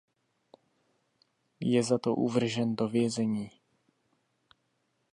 Je za to uvržen do vězení.